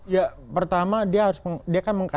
ya pertama dia kan